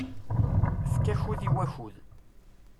Efk akud i wakud.